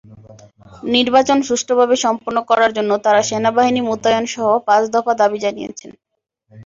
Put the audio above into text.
নির্বাচন সুষ্ঠুভাবে সম্পন্ন করার জন্য তারা সেনাবাহিনী মোতায়েনসহ পাঁচ দফা দাবি জানিয়েছেন।